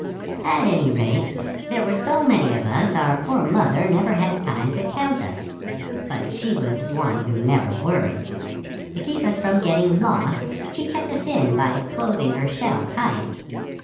At any rate there were so many of us that our poor mother never had time to count us. But she was one who never worried. To keep us from getting lost she kept us in by closing her shell tight.